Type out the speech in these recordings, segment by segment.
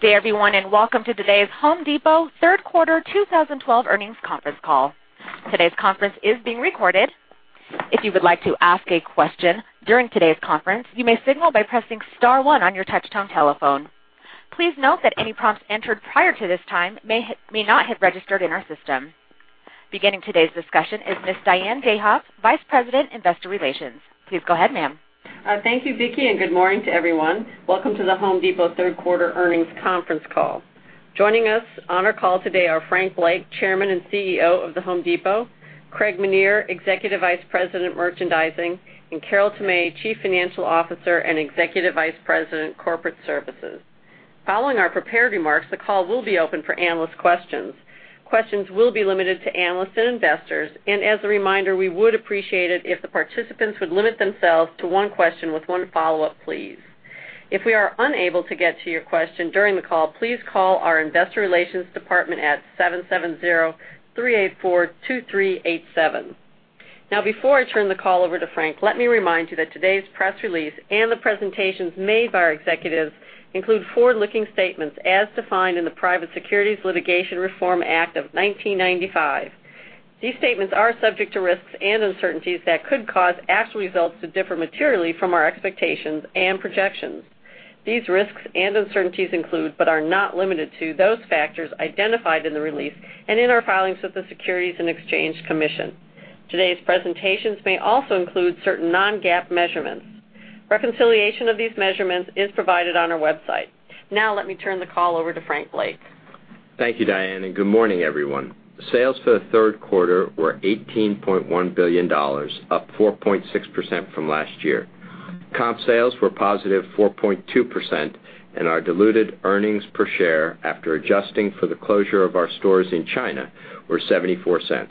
Good day, everyone, and welcome to today's The Home Depot third quarter 2012 earnings conference call. Today's conference is being recorded. If you would like to ask a question during today's conference, you may signal by pressing star one on your touch-tone telephone. Please note that any prompts entered prior to this time may not have registered in our system. Beginning today's discussion is Ms. Diane Dayhoff, Vice President, Investor Relations. Please go ahead, ma'am. Thank you, Vicky, and good morning to everyone. Welcome to The Home Depot third quarter earnings conference call. Joining us on our call today are Frank Blake, Chairman and CEO of The Home Depot, Craig Menear, Executive Vice President, Merchandising, and Carol Tomé, Chief Financial Officer and Executive Vice President, Corporate Services. Following our prepared remarks, the call will be open for analyst questions. Questions will be limited to analysts and investors. As a reminder, we would appreciate it if the participants would limit themselves to one question with one follow-up, please. If we are unable to get to your question during the call, please call our investor relations department at 770-384-2387. Before I turn the call over to Frank, let me remind you that today's press release and the presentations made by our executives include forward-looking statements as defined in the Private Securities Litigation Reform Act of 1995. These statements are subject to risks and uncertainties that could cause actual results to differ materially from our expectations and projections. These risks and uncertainties include, but are not limited to, those factors identified in the release and in our filings with the Securities and Exchange Commission. Today's presentations may also include certain non-GAAP measurements. Reconciliation of these measurements is provided on our website. Let me turn the call over to Frank Blake. Thank you, Diane, and good morning, everyone. Sales for the third quarter were $18.1 billion, up 4.6% from last year. Comp sales were positive 4.2%, and our diluted earnings per share, after adjusting for the closure of our stores in China, were $0.74.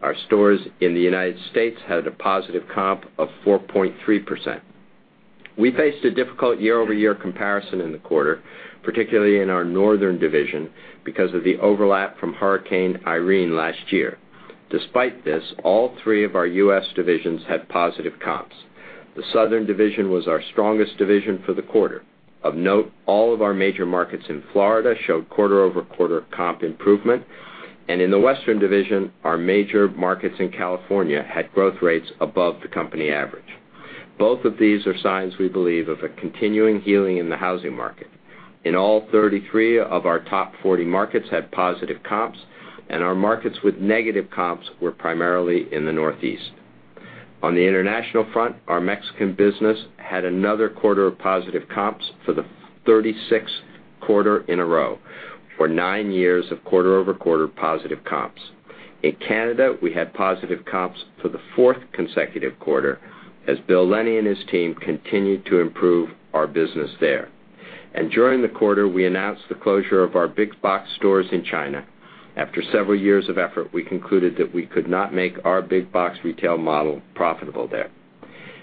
Our stores in the United States had a positive comp of 4.3%. We faced a difficult year-over-year comparison in the quarter, particularly in our northern division, because of the overlap from Hurricane Irene last year. Despite this, all three of our U.S. divisions had positive comps. The southern division was our strongest division for the quarter. Of note, all of our major markets in Florida showed quarter-over-quarter comp improvement. In the western division, our major markets in California had growth rates above the company average. Both of these are signs, we believe, of a continuing healing in the housing market. In all, 33 of our top 40 markets had positive comps, and our markets with negative comps were primarily in the Northeast. On the international front, our Mexican business had another quarter of positive comps for the 36th quarter in a row, or nine years of quarter-over-quarter positive comps. In Canada, we had positive comps for the fourth consecutive quarter, as Bill Lennie and his team continued to improve our business there. During the quarter, we announced the closure of our big box stores in China. After several years of effort, we concluded that we could not make our big box retail model profitable there.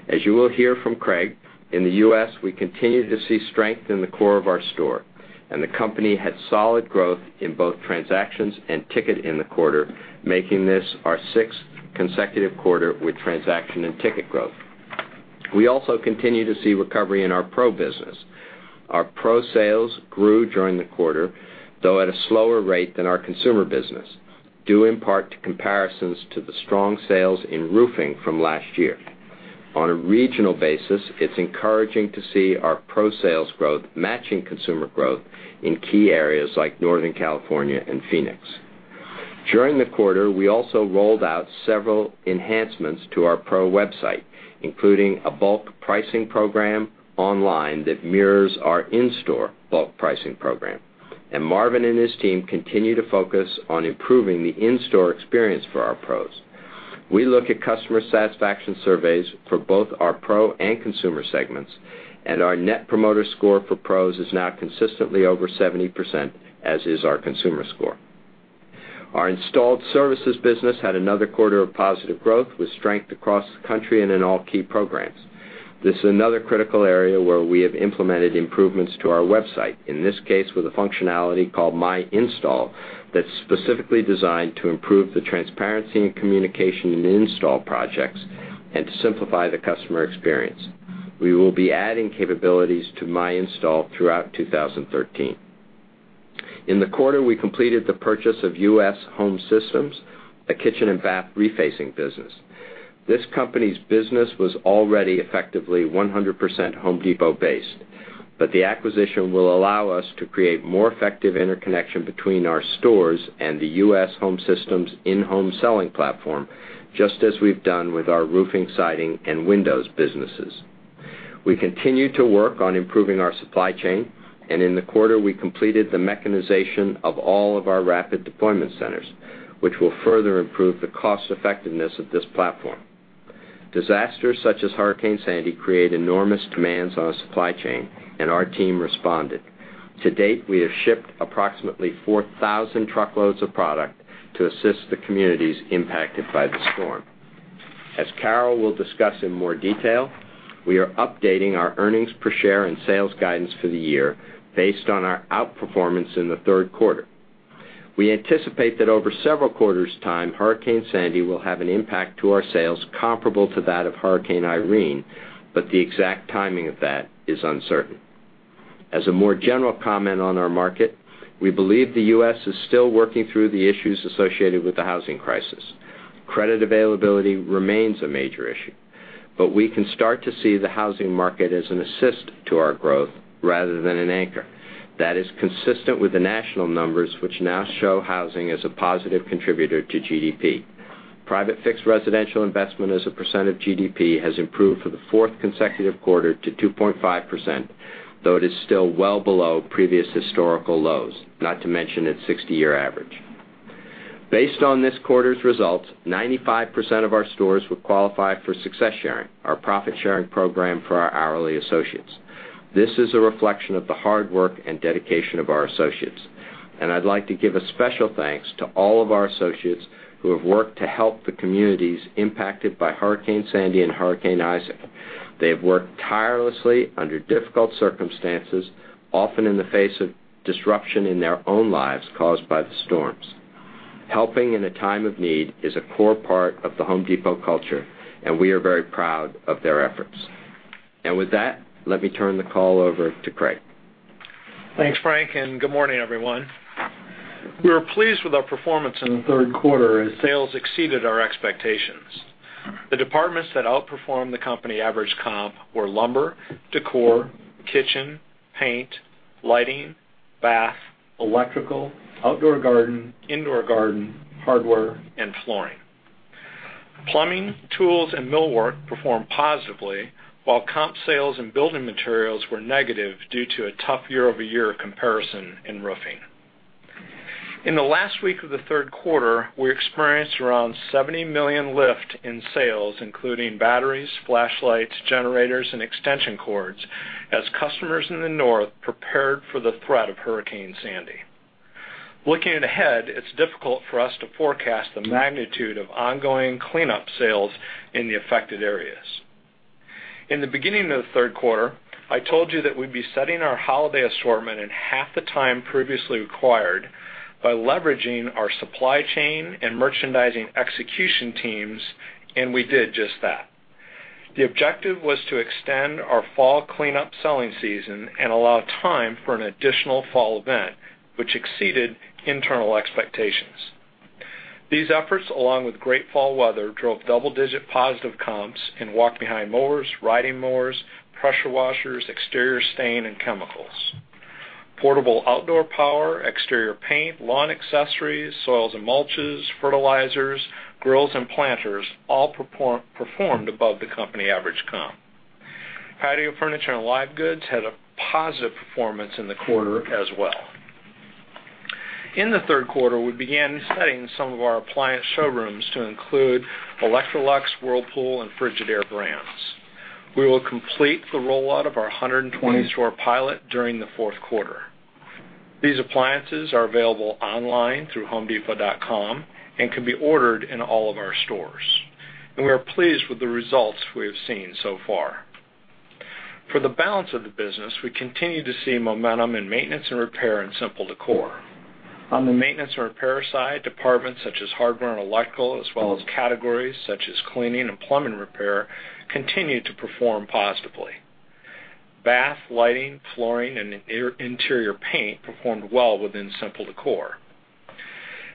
As you will hear from Craig, in the U.S., we continue to see strength in the core of our store, and the company had solid growth in both transactions and ticket in the quarter, making this our sixth consecutive quarter with transaction and ticket growth. We also continue to see recovery in our pro business. Our pro sales grew during the quarter, though at a slower rate than our consumer business, due in part to comparisons to the strong sales in roofing from last year. On a regional basis, it's encouraging to see our pro sales growth matching consumer growth in key areas like Northern California and Phoenix. During the quarter, we also rolled out several enhancements to our pro website, including a bulk pricing program online that mirrors our in-store bulk pricing program. Marvin and his team continue to focus on improving the in-store experience for our pros. We look at customer satisfaction surveys for both our pro and consumer segments, and our Net Promoter Score for pros is now consistently over 70%, as is our consumer score. Our installed services business had another quarter of positive growth with strength across the country and in all key programs. This is another critical area where we have implemented improvements to our website, in this case with a functionality called MyInstall that's specifically designed to improve the transparency and communication in install projects and to simplify the customer experience. We will be adding capabilities to MyInstall throughout 2013. In the quarter, we completed the purchase of U.S. Home Systems, a kitchen and bath refacing business. This company's business was already effectively 100% The Home Depot based, but the acquisition will allow us to create more effective interconnection between our stores and the U.S. Home Systems in-home selling platform, just as we've done with our roofing, siding, and windows businesses. We continue to work on improving our supply chain, and in the quarter, we completed the mechanization of all of our rapid deployment centers, which will further improve the cost effectiveness of this platform. Disasters such as Hurricane Sandy create enormous demands on a supply chain, and our team responded. To date, we have shipped approximately 4,000 truckloads of product to assist the communities impacted by the storm. As Carol will discuss in more detail, we are updating our earnings per share and sales guidance for the year based on our outperformance in the third quarter. We anticipate that over several quarters' time, Hurricane Sandy will have an impact to our sales comparable to that of Hurricane Irene. The exact timing of that is uncertain. As a more general comment on our market, we believe the U.S. is still working through the issues associated with the housing crisis. Credit availability remains a major issue. We can start to see the housing market as an assist to our growth rather than an anchor. That is consistent with the national numbers, which now show housing as a positive contributor to GDP. Private fixed residential investment as a percent of GDP has improved for the fourth consecutive quarter to 2.5%, though it is still well below previous historical lows, not to mention its 60-year average. Based on this quarter's results, 95% of our stores would qualify for Success Sharing, our profit-sharing program for our hourly associates. This is a reflection of the hard work and dedication of our associates. I'd like to give a special thanks to all of our associates who have worked to help the communities impacted by Hurricane Sandy and Hurricane Isaac. They have worked tirelessly under difficult circumstances, often in the face of disruption in their own lives caused by the storms. Helping in a time of need is a core part of The Home Depot culture. We are very proud of their efforts. With that, let me turn the call over to Craig. Thanks, Frank. Good morning, everyone. We were pleased with our performance in the third quarter as sales exceeded our expectations. The departments that outperformed the company average comp were lumber, decor, kitchen, paint, lighting, bath, electrical, outdoor garden, indoor garden, hardware, and flooring. Plumbing, tools, and millwork performed positively, while comp sales and building materials were negative due to a tough year-over-year comparison in roofing. In the last week of the third quarter, we experienced around $70 million lift in sales, including batteries, flashlights, generators, and extension cords, as customers in the North prepared for the threat of Hurricane Sandy. Looking ahead, it's difficult for us to forecast the magnitude of ongoing cleanup sales in the affected areas. In the beginning of the third quarter, I told you that we'd be setting our holiday assortment in half the time previously required by leveraging our supply chain and merchandising execution teams. We did just that. The objective was to extend our fall cleanup selling season and allow time for an additional fall event, which exceeded internal expectations. These efforts, along with great fall weather, drove double-digit positive comps in walk-behind mowers, riding mowers, pressure washers, exterior stain, and chemicals. Portable outdoor power, exterior paint, lawn accessories, soils and mulches, fertilizers, grills, and planters all performed above the company average comp. Patio furniture and live goods had a positive performance in the quarter as well. In the third quarter, we began setting some of our appliance showrooms to include Electrolux, Whirlpool, and Frigidaire brands. We will complete the rollout of our 120-store pilot during the fourth quarter. These appliances are available online through homedepot.com and can be ordered in all of our stores, and we are pleased with the results we have seen so far. For the balance of the business, we continue to see momentum in maintenance and repair and simple decor. On the maintenance and repair side, departments such as hardware and electrical, as well as categories such as cleaning and plumbing repair, continued to perform positively. Bath, lighting, flooring, and interior paint performed well within simple decor.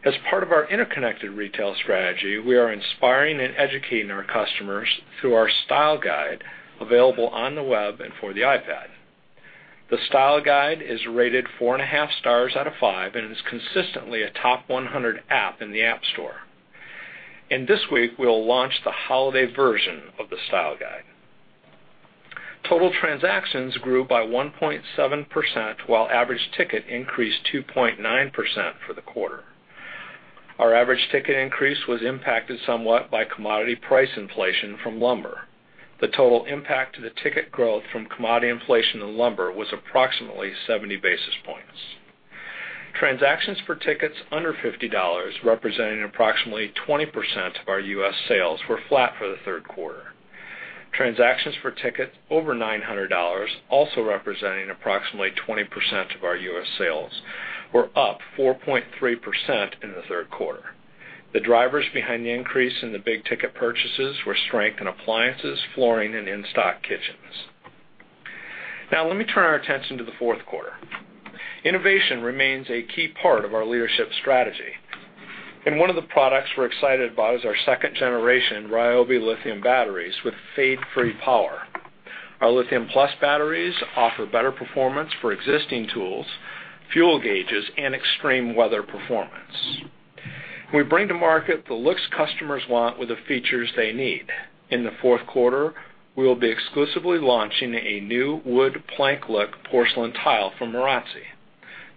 As part of our interconnected retail strategy, we are inspiring and educating our customers through our Style Guide, available on the web and for the iPad. The Style Guide is rated 4.5 stars out of 5 and is consistently a top 100 app in the App Store. This week, we'll launch the holiday version of the Style Guide. Total transactions grew by 1.7%, while average ticket increased 2.9% for the quarter. Our average ticket increase was impacted somewhat by commodity price inflation from lumber. The total impact to the ticket growth from commodity inflation to lumber was approximately 70 basis points. Transactions for tickets under $50, representing approximately 20% of our U.S. sales, were flat for the third quarter. Transactions for tickets over $900, also representing approximately 20% of our U.S. sales, were up 4.3% in the third quarter. The drivers behind the increase in the big-ticket purchases were strength in appliances, flooring, and in-stock kitchens. Now let me turn our attention to the fourth quarter. Innovation remains a key part of our leadership strategy, and one of the products we're excited about is our second generation Ryobi lithium batteries with fade-free power. Our LITHIUM+ batteries offer better performance for existing tools, fuel gauges, and extreme weather performance. We bring to market the looks customers want with the features they need. In the fourth quarter, we will be exclusively launching a new wood plank look porcelain tile from Marazzi.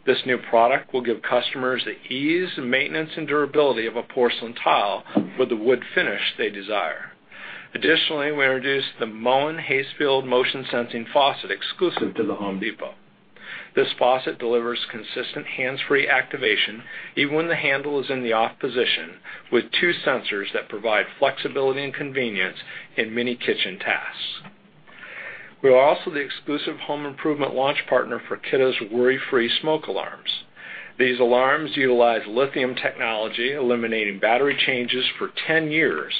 This new product will give customers the ease of maintenance and durability of a porcelain tile with the wood finish they desire. Additionally, we introduced the Moen Haysfield motion-sensing faucet exclusive to The Home Depot. This faucet delivers consistent hands-free activation even when the handle is in the off position, with two sensors that provide flexibility and convenience in many kitchen tasks. We are also the exclusive home improvement launch partner for Kidde's Worry-Free smoke alarms. These alarms utilize lithium technology, eliminating battery changes for 10 years,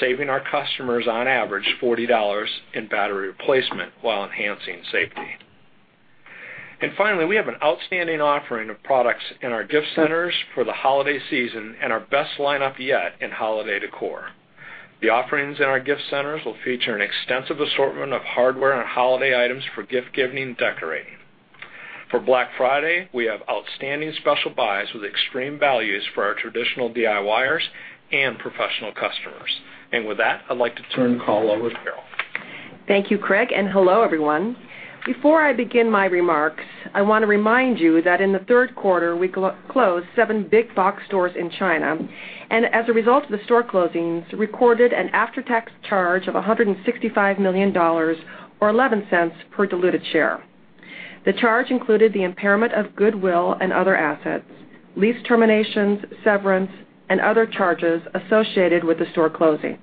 saving our customers on average $40 in battery replacement while enhancing safety. Finally, we have an outstanding offering of products in our gift centers for the holiday season and our best lineup yet in holiday decor. The offerings in our gift centers will feature an extensive assortment of hardware and holiday items for gift-giving and decorating. For Black Friday, we have outstanding special buys with extreme values for our traditional DIYers and professional customers. With that, I'd like to turn the call over to Carol. Thank you, Craig. Hello, everyone. Before I begin my remarks, I want to remind you that in the third quarter, we closed 7 big box stores in China, and as a result of the store closings, recorded an after-tax charge of $165 million or $0.11 per diluted share. The charge included the impairment of goodwill and other assets, lease terminations, severance, and other charges associated with the store closings.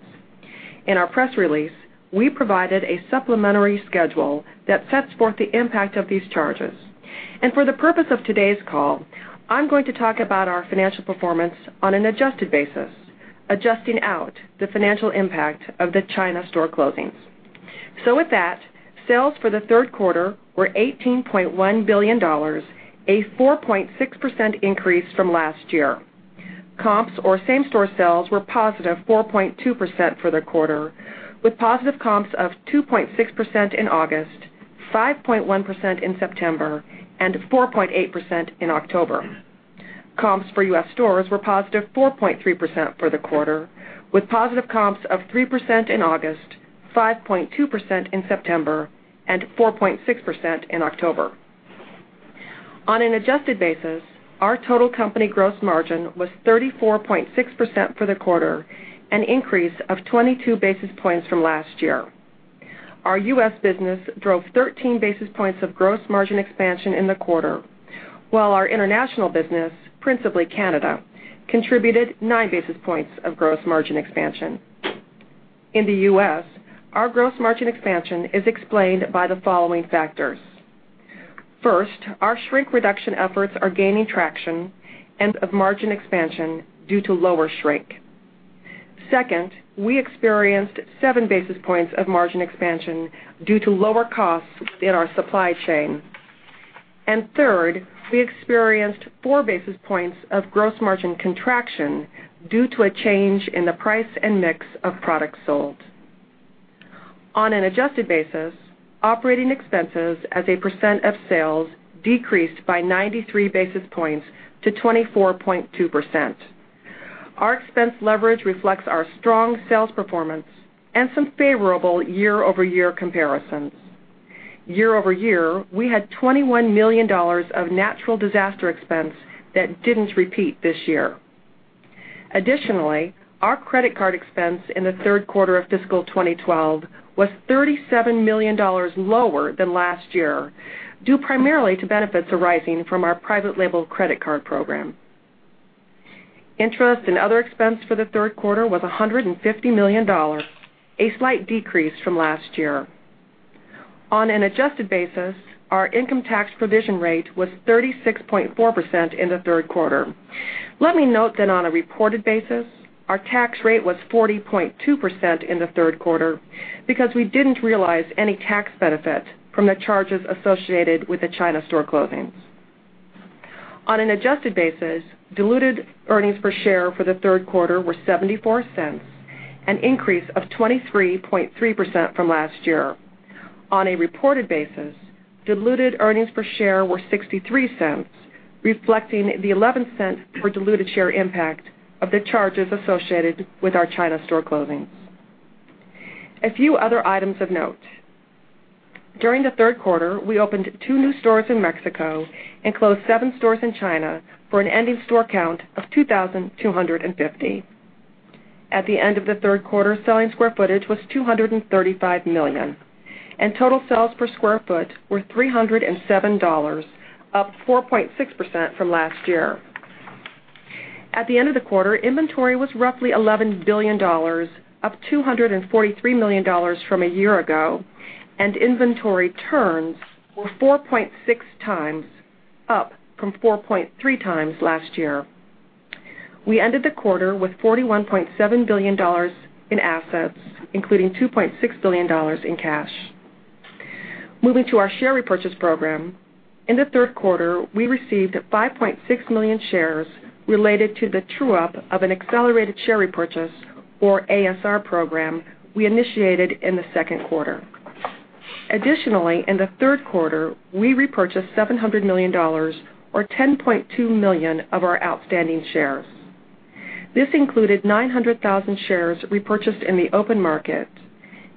In our press release, we provided a supplementary schedule that sets forth the impact of these charges. For the purpose of today's call, I'm going to talk about our financial performance on an adjusted basis, adjusting out the financial impact of the China store closings. With that, sales for the third quarter were $18.1 billion, a 4.6% increase from last year. Comps or same-store sales were positive 4.2% for the quarter, with positive comps of 2.6% in August, 5.1% in September, and 4.8% in October. Comps for U.S. stores were positive 4.3% for the quarter, with positive comps of 3% in August, 5.2% in September, and 4.6% in October. On an adjusted basis, our total company gross margin was 34.6% for the quarter, an increase of 22 basis points from last year. Our U.S. business drove 13 basis points of gross margin expansion in the quarter, while our international business, principally Canada, contributed 9 basis points of gross margin expansion. In the U.S., our gross margin expansion is explained by the following factors. First, our shrink reduction efforts are gaining traction and of margin expansion due to lower shrink. Second, we experienced 7 basis points of margin expansion due to lower costs in our supply chain. Third, we experienced 4 basis points of gross margin contraction due to a change in the price and mix of products sold. On an adjusted basis, operating expenses as a percent of sales decreased by 93 basis points to 24.2%. Our expense leverage reflects our strong sales performance and some favorable year-over-year comparisons. Year-over-year, we had $21 million of natural disaster expense that didn't repeat this year. Additionally, our credit card expense in the third quarter of fiscal 2012 was $37 million lower than last year, due primarily to benefits arising from our private label credit card program. Interest and other expense for the third quarter was $150 million, a slight decrease from last year. On an adjusted basis, our income tax provision rate was 36.4% in the third quarter. Let me note that on a reported basis, our tax rate was 40.2% in the third quarter because we didn't realize any tax benefit from the charges associated with the China store closings. On an adjusted basis, diluted earnings per share for the third quarter were $0.74, an increase of 23.3% from last year. On a reported basis, diluted earnings per share were $0.63, reflecting the $0.11 per diluted share impact of the charges associated with our China store closings. A few other items of note. During the third quarter, we opened 2 new stores in Mexico and closed 7 stores in China for an ending store count of 2,250. At the end of the third quarter, selling square footage was 235 million, and total sales per square foot were $307, up 4.6% from last year. At the end of the quarter, inventory was roughly $11 billion, up $243 million from a year ago, and inventory turns were 4.6 times, up from 4.3 times last year. We ended the quarter with $41.7 billion in assets, including $2.6 billion in cash. Moving to our share repurchase program. In the third quarter, we received 5.6 million shares related to the true up of an accelerated share repurchase or ASR program we initiated in the second quarter. Additionally, in the third quarter, we repurchased $700 million or 10.2 million of our outstanding shares. This included 900,000 shares repurchased in the open market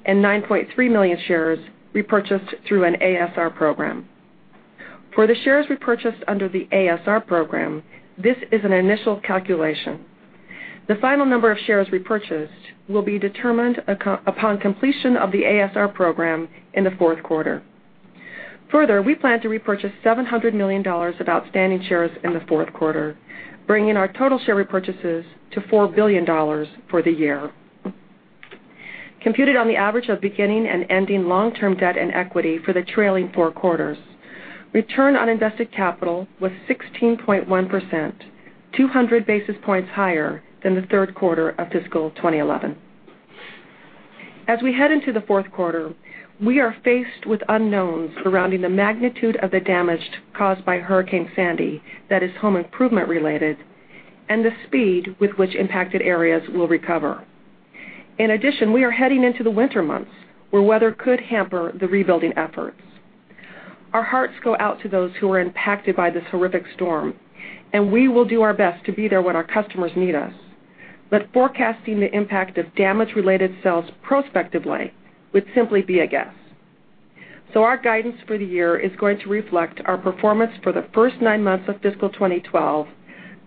and 9.3 million shares repurchased through an ASR program. For the shares repurchased under the ASR program, this is an initial calculation. The final number of shares repurchased will be determined upon completion of the ASR program in the fourth quarter. We plan to repurchase $700 million of outstanding shares in the fourth quarter, bringing our total share repurchases to $4 billion for the year. Computed on the average of beginning and ending long-term debt and equity for the trailing four quarters, return on invested capital was 16.1%, 200 basis points higher than the third quarter of fiscal 2011. We head into the fourth quarter, we are faced with unknowns surrounding the magnitude of the damage caused by Hurricane Sandy that is home improvement related and the speed with which impacted areas will recover. We are heading into the winter months where weather could hamper the rebuilding efforts. Our hearts go out to those who are impacted by this horrific storm, and we will do our best to be there when our customers need us. Forecasting the impact of damage related sales prospectively would simply be a guess. Our guidance for the year is going to reflect our performance for the first nine months of fiscal 2012,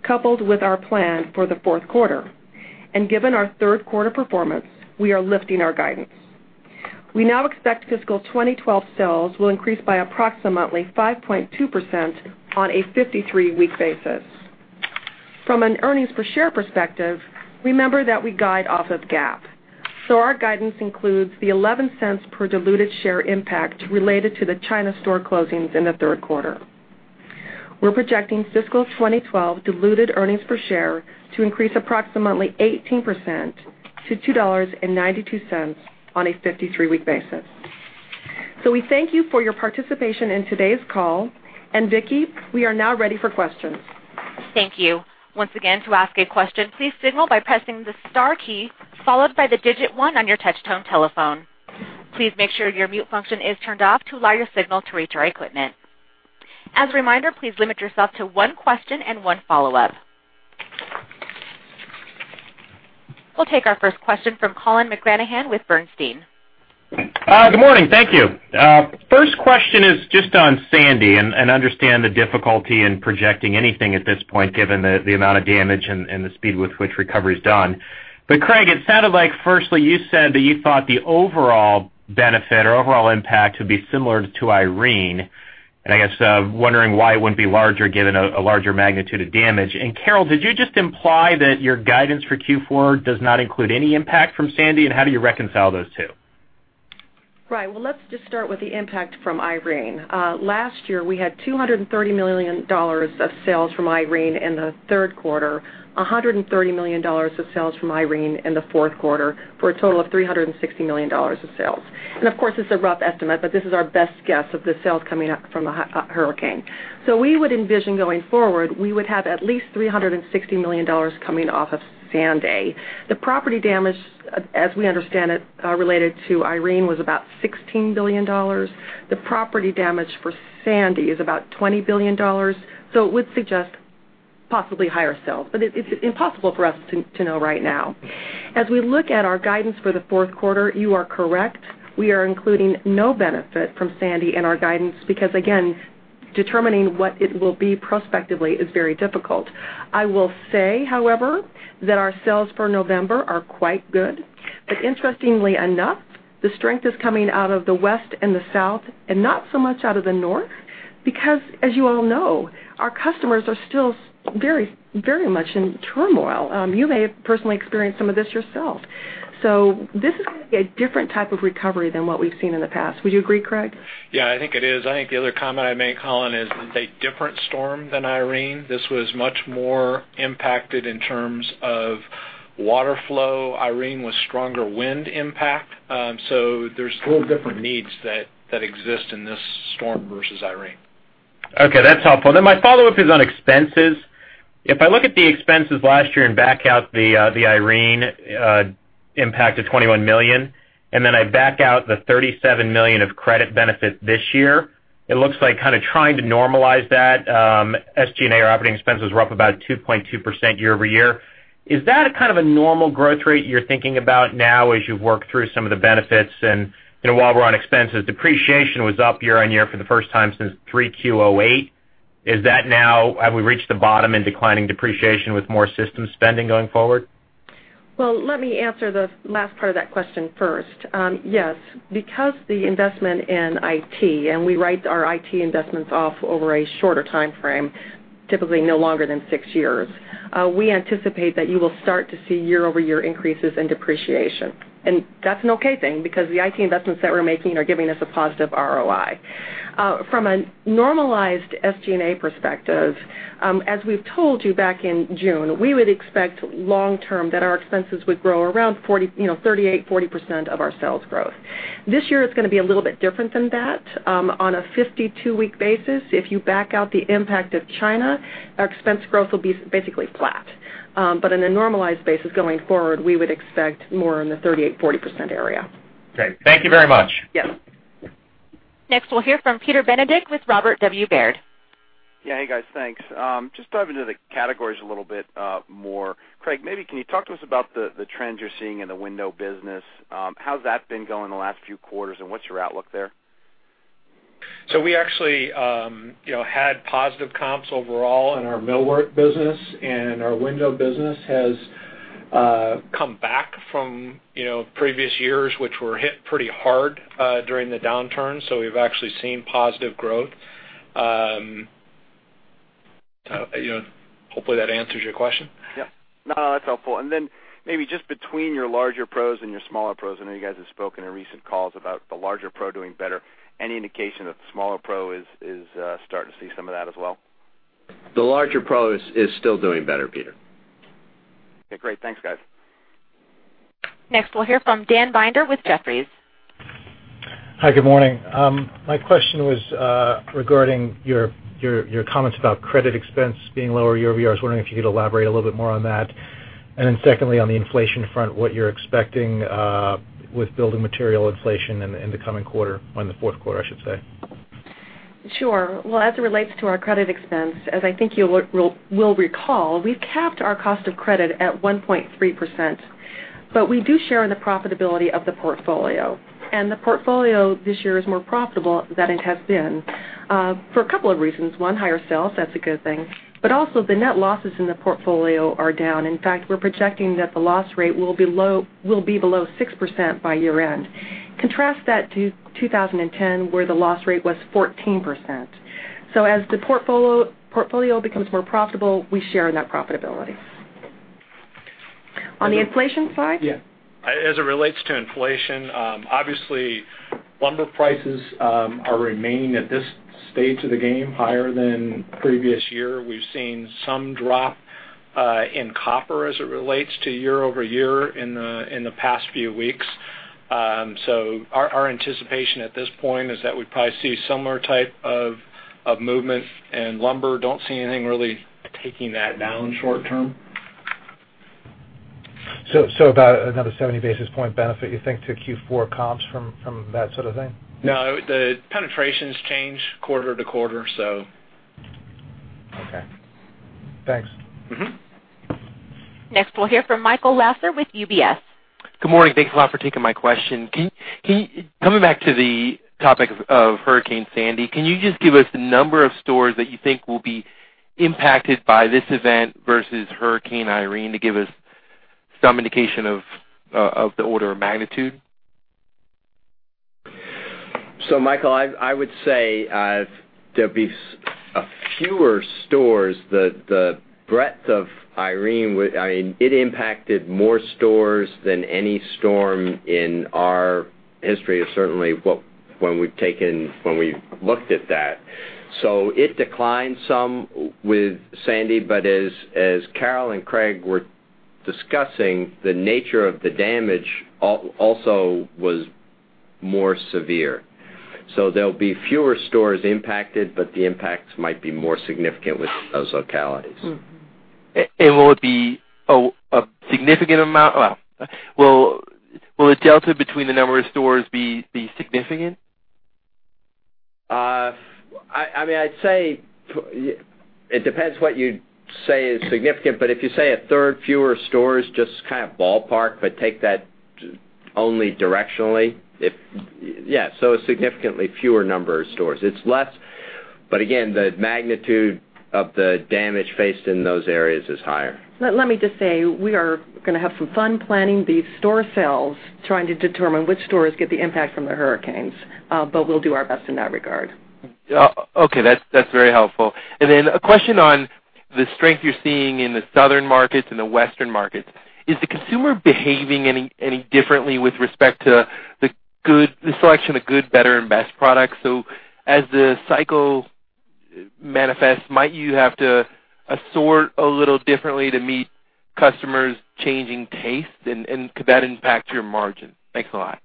coupled with our plan for the fourth quarter. Given our third quarter performance, we are lifting our guidance. We now expect fiscal 2012 sales will increase by approximately 5.2% on a 53-week basis. From an earnings per share perspective, remember that we guide off of GAAP. Our guidance includes the $0.11 per diluted share impact related to the China store closings in the third quarter. We're projecting fiscal 2012 diluted earnings per share to increase approximately 18% to $2.92 on a 53-week basis. We thank you for your participation in today's call. Vicky, we are now ready for questions. Thank you. Once again, to ask a question, please signal by pressing the star key, followed by the digit 1 on your touch-tone telephone. Please make sure your mute function is turned off to allow your signal to reach our equipment. As a reminder, please limit yourself to one question and one follow-up. We'll take our first question from Colin McGranahan with Bernstein. Good morning. Thank you. First question is just on Sandy and understand the difficulty in projecting anything at this point, given the amount of damage and the speed with which recovery is done. Craig, it sounded like firstly you said that you thought the overall benefit or overall impact would be similar to Irene, and I guess wondering why it wouldn't be larger given a larger magnitude of damage. Carol, did you just imply that your guidance for Q4 does not include any impact from Sandy and how do you reconcile those two? Right. Let's just start with the impact from Irene. Last year, we had $230 million of sales from Irene in the third quarter, $130 million of sales from Irene in the fourth quarter, for a total of $360 million of sales. Of course, it's a rough estimate, but this is our best guess of the sales coming up from the hurricane. We would envision going forward, we would have at least $360 million coming off of Sandy. The property damage, as we understand it, related to Irene, was about $16 billion. The property damage for Sandy is about $20 billion, it would suggest possibly higher sales, but it's impossible for us to know right now. As we look at our guidance for the fourth quarter, you are correct. We are including no benefit from Sandy in our guidance because again, determining what it will be prospectively is very difficult. I will say, however, that our sales for November are quite good. Interestingly enough, the strength is coming out of the West and the South and not so much out of the North because as you all know, our customers are still very much in turmoil. You may have personally experienced some of this yourself. This is going to be a different type of recovery than what we've seen in the past. Would you agree, Craig? Yeah, I think it is. I think the other comment I'd make, Colin, is it's a different storm than Irene. This was much more impacted in terms of water flow. Irene was stronger wind impact. There's different needs that exist in this storm versus Irene. My follow-up is on expenses. If I look at the expenses last year and back out the Irene impact of $21 million, and then I back out the $37 million of credit benefit this year, it looks like trying to normalize that, SG&A or operating expenses were up about 2.2% year-over-year. Is that a normal growth rate you're thinking about now as you've worked through some of the benefits? While we're on expenses, depreciation was up year-on-year for the first time since 3Q 2008. Have we reached the bottom in declining depreciation with more system spending going forward? Let me answer the last part of that question first. Yes, because the investment in IT, and we write our IT investments off over a shorter timeframe, typically no longer than six years, we anticipate that you will start to see year-over-year increases in depreciation. That's an okay thing because the IT investments that we're making are giving us a positive ROI. From a normalized SG&A perspective, as we've told you back in June, we would expect long-term that our expenses would grow around 38%, 40% of our sales growth. This year is going to be a little bit different than that. On a 52-week basis, if you back out the impact of China, our expense growth will be basically flat. In a normalized basis going forward, we would expect more in the 38%-40% area. Great. Thank you very much. Yes. Next, we'll hear from Peter Benedict with Robert W. Baird. Yeah. Hey, guys. Thanks. Just diving into the categories a little bit more. Craig, maybe can you talk to us about the trends you're seeing in the window business? How's that been going the last few quarters, and what's your outlook there? We actually had positive comps overall in our millwork business and our window business has Come back from previous years, which were hit pretty hard during the downturn, so we've actually seen positive growth. Hopefully, that answers your question. Yeah. No, that's helpful. Maybe just between your larger Pros and your smaller Pros, I know you guys have spoken in recent calls about the larger Pro doing better. Any indication that the smaller Pro is starting to see some of that as well? The larger Pro is still doing better, Peter. Okay, great. Thanks, guys. Next, we'll hear from Dan Binder with Jefferies. Hi, good morning. My question was regarding your comments about credit expense being lower year-over-year. I was wondering if you could elaborate a little bit more on that. Secondly, on the inflation front, what you're expecting with building material inflation in the coming quarter, on the fourth quarter, I should say. Sure. Well, as it relates to our credit expense, as I think you will recall, we've capped our cost of credit at 1.3%, but we do share in the profitability of the portfolio. The portfolio this year is more profitable than it has been for a couple of reasons. One, higher sales, that's a good thing. Also the net losses in the portfolio are down. In fact, we're projecting that the loss rate will be below 6% by year-end. Contrast that to 2010, where the loss rate was 14%. As the portfolio becomes more profitable, we share in that profitability. On the inflation side? Yeah. As it relates to inflation, obviously, lumber prices are remaining, at this stage of the game, higher than previous year. We've seen some drop in copper as it relates to year-over-year in the past few weeks. Our anticipation at this point is that we'd probably see similar type of movement in lumber. Don't see anything really taking that down short-term. About another 70 basis point benefit, you think, to Q4 comps from that sort of thing? No, the penetrations change quarter-to-quarter, so. Okay. Thanks. Next, we'll hear from Michael Lasser with UBS. Good morning. Thanks a lot for taking my question. Coming back to the topic of Hurricane Sandy, can you just give us the number of stores that you think will be impacted by this event versus Hurricane Irene to give us some indication of the order of magnitude? Michael, I would say there'll be a fewer stores. The breadth of Irene, it impacted more stores than any storm in our history, certainly when we've looked at that. It declined some with Sandy, but as Carol and Craig were discussing, the nature of the damage also was more severe. There'll be fewer stores impacted, but the impacts might be more significant with those localities. Will it be a significant amount? Well, will the delta between the number of stores be significant? I'd say it depends what you'd say is significant, but if you say a third fewer stores, just kind of ballpark, but take that only directionally. A significantly fewer number of stores. It's less, but again, the magnitude of the damage faced in those areas is higher. Let me just say, we are going to have some fun planning these store sales, trying to determine which stores get the impact from the hurricanes. We'll do our best in that regard. Okay. That's very helpful. A question on the strength you're seeing in the southern markets and the western markets. Is the consumer behaving any differently with respect to the selection of good, better, and best products? As the cycle manifests, might you have to assort a little differently to meet customers' changing tastes, and could that impact your margin? Thanks a lot.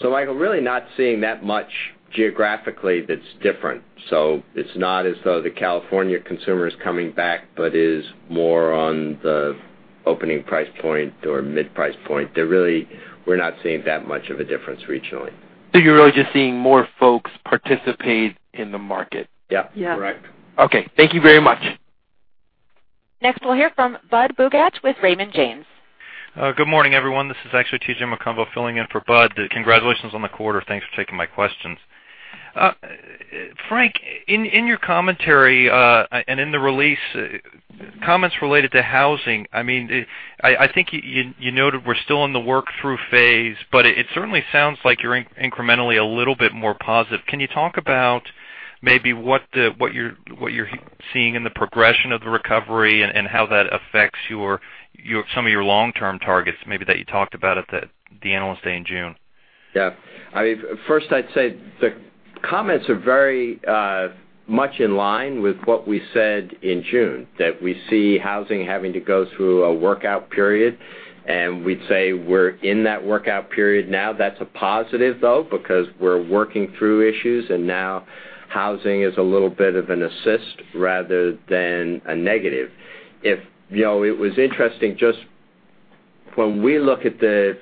Michael, really not seeing that much geographically that's different. It's not as though the California consumer is coming back but is more on the opening price point or mid-price point. We're not seeing that much of a difference regionally. You're really just seeing more folks participate in the market. Yep. Yeah. Correct. Okay. Thank you very much. Next, we'll hear from Budd Bugatch with Raymond James. Good morning, everyone. This is T.J. McConville filling in for Budd. Congratulations on the quarter. Thanks for taking my questions. Frank, in your commentary, and in the release, comments related to housing, I think you noted we're still in the work-through phase, it certainly sounds like you're incrementally a little bit more positive. Can you talk about maybe what you're seeing in the progression of the recovery and how that affects some of your long-term targets, maybe that you talked about at the Analyst Day in June? Yeah. First, I'd say the comments are very much in line with what we said in June, that we see housing having to go through a workout period, we'd say we're in that workout period now. That's a positive, though, because we're working through issues, now housing is a little bit of an assist rather than a negative. It was interesting, when we look at the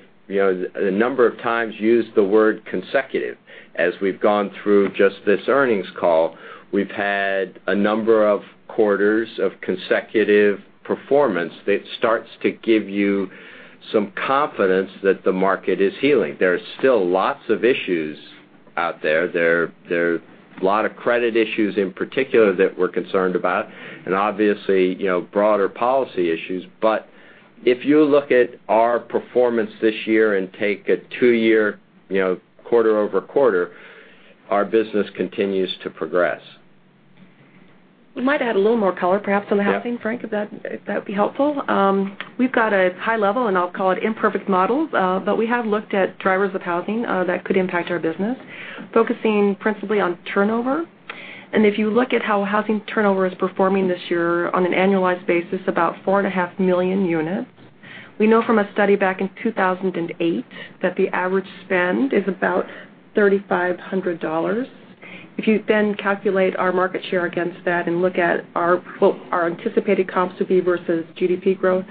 number of times used the word consecutive as we've gone through just this earnings call, we've had a number of quarters of consecutive performance that starts to give you some confidence that the market is healing. There are still lots of issues out there. There are a lot of credit issues in particular that we're concerned about, obviously, broader policy issues. If you look at our performance this year and take a two-year, quarter-over-quarter, our business continues to progress. We might add a little more color, perhaps, on the housing. Yeah Frank, if that would be helpful. We've got a high level, and I'll call it imperfect models, but we have looked at drivers of housing that could impact our business, focusing principally on turnover. If you look at how housing turnover is performing this year on an annualized basis, about 4.5 million units. We know from a study back in 2008 that the average spend is about $3,500. If you calculate our market share against that and look at what our anticipated comps to be versus GDP growth,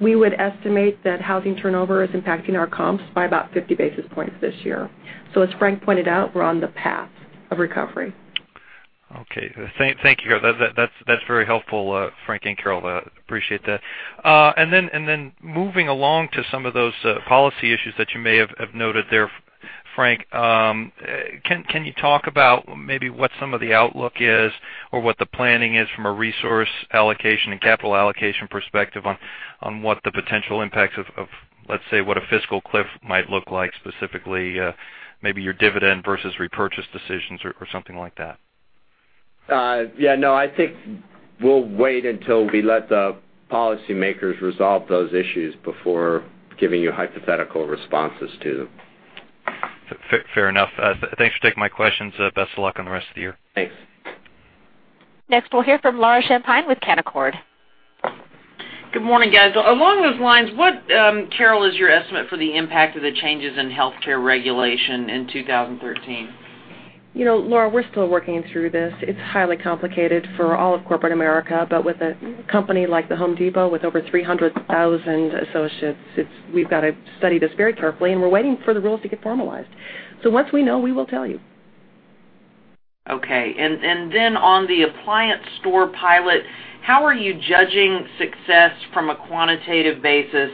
we would estimate that housing turnover is impacting our comps by about 50 basis points this year. As Frank pointed out, we're on the path of recovery. Okay. Thank you. That's very helpful, Frank and Carol. Appreciate that. Moving along to some of those policy issues that you may have noted there, Frank, can you talk about maybe what some of the outlook is or what the planning is from a resource allocation and capital allocation perspective on what the potential impacts of, let's say, what a fiscal cliff might look like specifically, maybe your dividend versus repurchase decisions or something like that? Yeah, no, I think we'll wait until we let the policymakers resolve those issues before giving you hypothetical responses to them. Fair enough. Thanks for taking my questions. Best of luck on the rest of the year. Thanks. Next, we'll hear from Laura Champine with Canaccord. Good morning, guys. Along those lines, what, Carol, is your estimate for the impact of the changes in healthcare regulation in 2013? Laura, we're still working through this. It's highly complicated for all of corporate America, but with a company like The Home Depot with over 300,000 associates, we've got to study this very carefully, and we're waiting for the rules to get formalized. Once we know, we will tell you. Okay. On the appliance store pilot, how are you judging success from a quantitative basis?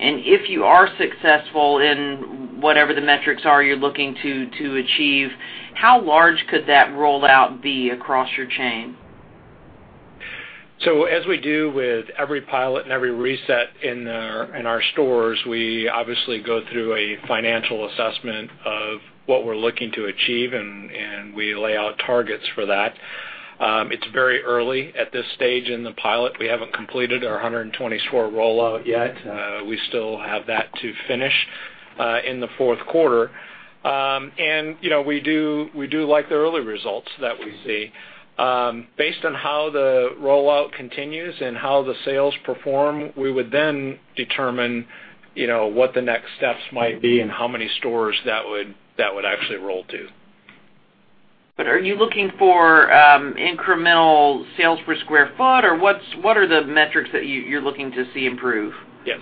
If you are successful in whatever the metrics are you're looking to achieve, how large could that rollout be across your chain? As we do with every pilot and every reset in our stores, we obviously go through a financial assessment of what we're looking to achieve, and we lay out targets for that. It's very early at this stage in the pilot. We haven't completed our 120 store rollout yet. We still have that to finish in the fourth quarter. We do like the early results that we see. Based on how the rollout continues and how the sales perform, we would then determine what the next steps might be and how many stores that would actually roll to. Are you looking for incremental sales per square foot, or what are the metrics that you're looking to see improve?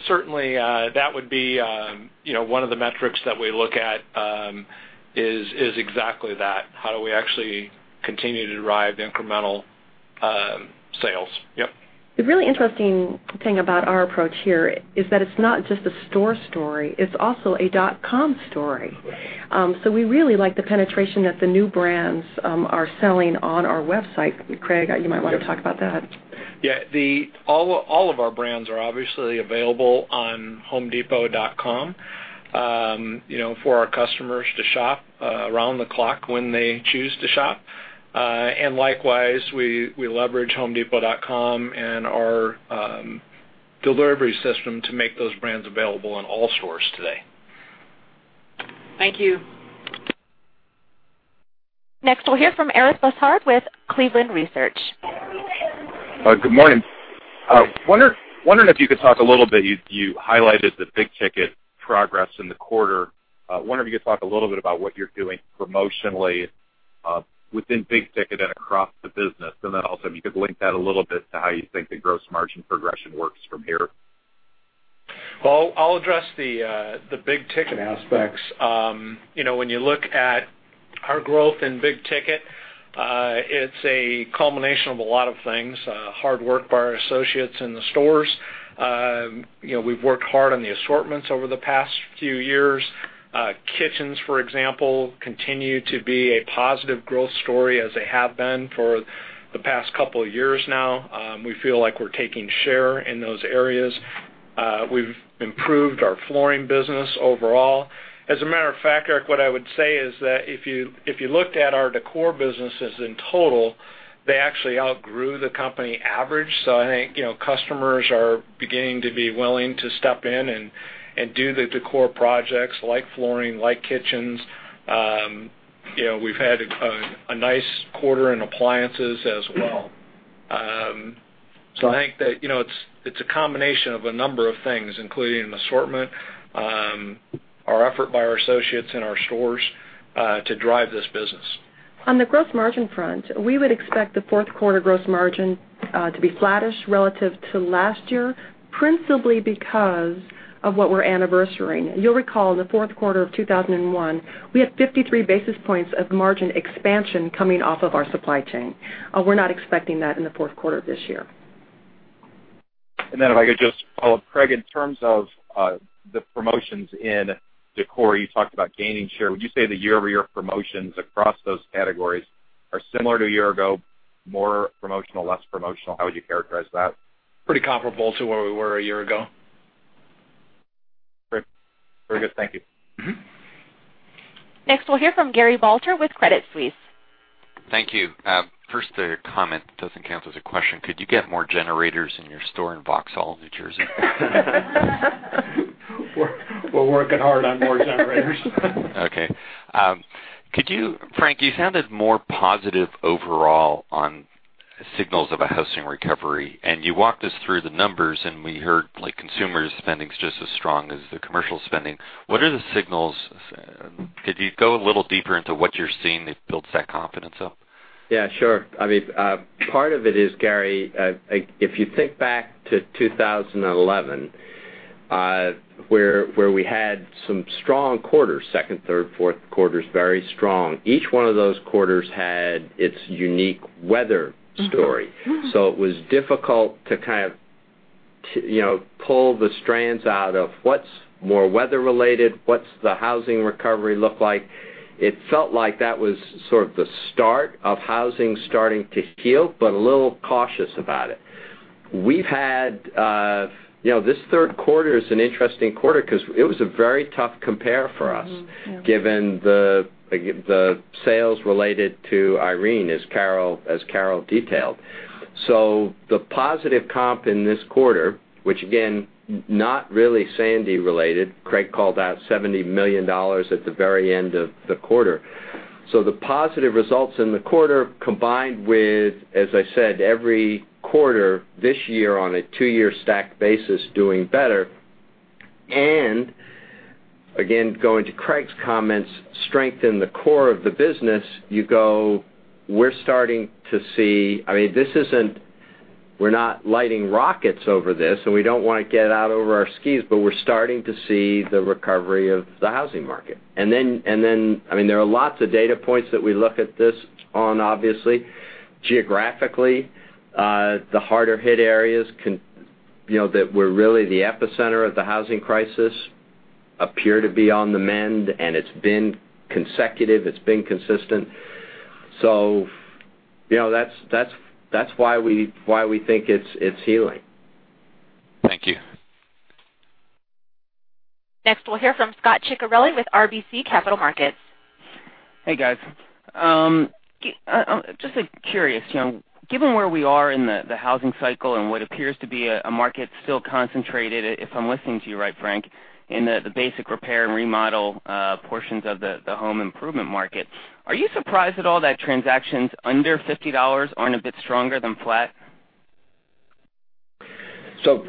Certainly, that would be one of the metrics that we look at is exactly that. How do we actually continue to derive the incremental sales? Yep. The really interesting thing about our approach here is that it's not just a store story, it's also a dot com story. We really like the penetration that the new brands are selling on our website. Craig, you might want to talk about that. Yeah. All of our brands are obviously available on homedepot.com for our customers to shop around the clock when they choose to shop. Likewise, we leverage homedepot.com and our delivery system to make those brands available in all stores today. Thank you. Next, we'll hear from Eric Bosshard with Cleveland Research. Good morning. Wondering if you could talk a little bit, you highlighted the big ticket progress in the quarter. Wondering if you could talk a little bit about what you're doing promotionally within big ticket and across the business, and then also if you could link that a little bit to how you think the gross margin progression works from here. Well, I'll address the big ticket aspects. When you look at our growth in big ticket, it's a culmination of a lot of things, hard work by our associates in the stores. We've worked hard on the assortments over the past few years. Kitchens, for example, continue to be a positive growth story as they have been for the past couple of years now. We feel like we're taking share in those areas. We've improved our flooring business overall. As a matter of fact, Eric, what I would say is that if you looked at our decor businesses in total, they actually outgrew the company average. I think, customers are beginning to be willing to step in and do the decor projects like flooring, like kitchens. We've had a nice quarter in appliances as well. I think that it's a combination of a number of things, including an assortment, our effort by our associates in our stores, to drive this business. On the gross margin front, we would expect the fourth quarter gross margin to be flattish relative to last year, principally because of what we're anniversarying. You'll recall in the fourth quarter of 2011, we had 53 basis points of margin expansion coming off of our supply chain. We're not expecting that in the fourth quarter of this year. If I could just follow up, Craig, in terms of the promotions in decor, you talked about gaining share. Would you say the year-over-year promotions across those categories are similar to a year ago, more promotional, less promotional? How would you characterize that? Pretty comparable to where we were a year ago. Great. Very good. Thank you. Next, we'll hear from Gary Balter with Credit Suisse. Thank you. First, a comment, doesn't count as a question. Could you get more generators in your store in Vauxhall, New Jersey? We're working hard on more generators. Okay. Frank, you sounded more positive overall on signals of a housing recovery, and you walked us through the numbers, and we heard consumer spending's just as strong as the commercial spending. What are the signals? Could you go a little deeper into what you're seeing that builds that confidence up? Yeah, sure. Part of it is, Gary, if you think back to 2011, where we had some strong quarters, second, third, fourth quarters, very strong. Each one of those quarters had its unique weather story. It was difficult to pull the strands out of what's more weather related, what's the housing recovery look like. It felt like that was sort of the start of housing starting to heal, but a little cautious about it. This third quarter is an interesting quarter because it was a very tough compare for us, given the sales related to Hurricane Irene, as Carol Tomé detailed. The positive comp in this quarter, which again, not really Hurricane Sandy related, Craig Menear called that $70 million at the very end of the quarter. The positive results in the quarter combined with, as I said, every quarter this year on a two-year stacked basis doing better, and again, going to Craig Menear's comments, strengthen the core of the business. We're not lighting rockets over this, and we don't want to get out over our skis, but we're starting to see the recovery of the housing market. There are lots of data points that we look at this on, obviously. Geographically, the harder hit areas that were really the epicenter of the housing crisis appear to be on the mend, and it's been consecutive, it's been consistent. That's why we think it's healing. Thank you. Next, we'll hear from Scot Ciccarelli with RBC Capital Markets. Hey, guys. Just curious, given where we are in the housing cycle and what appears to be a market still concentrated, if I'm listening to you right, Frank, in the basic repair and remodel portions of the home improvement market, are you surprised at all that transactions under $50 aren't a bit stronger than flat?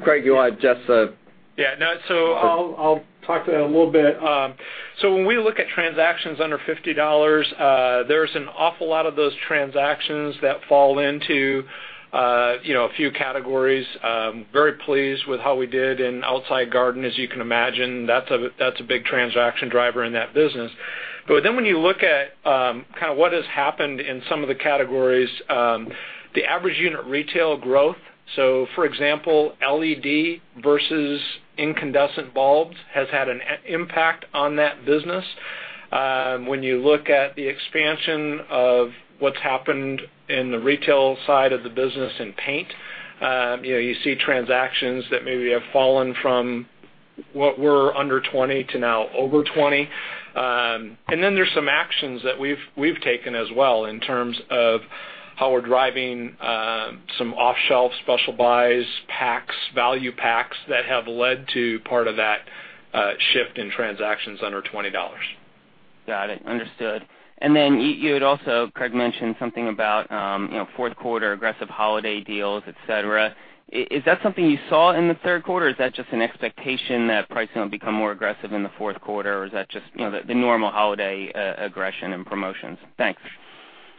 Craig, you want to. I'll talk to that a little bit. When we look at transactions under $50, there's an awful lot of those transactions that fall into a few categories. Very pleased with how we did in outside garden, as you can imagine. That's a big transaction driver in that business. When you look at what has happened in some of the categories, the average unit retail growth. For example, LED versus incandescent bulbs has had an impact on that business. When you look at the expansion of what's happened in the retail side of the business in paint, you see transactions that maybe have fallen from what were under 20 to now over 20. There's some actions that we've taken as well in terms of how we're driving some off-shelf special buys, packs, value packs that have led to part of that shift in transactions under $20. Got it. Understood. You had also, Craig mentioned something about fourth quarter aggressive holiday deals, et cetera. Is that something you saw in the third quarter, or is that just an expectation that pricing will become more aggressive in the fourth quarter, or is that just the normal holiday aggression and promotions? Thanks.